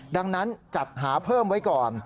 ดังนั้นจัดหาเพิ่มไว้ก่อน